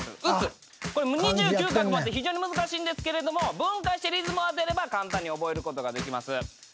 「鬱」２９画もあって非常に難しいんですけど分解してリズムを当てれば簡単に覚えることができます。